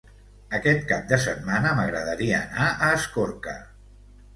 Aquest cap de setmana m'agradaria anar a Escorca.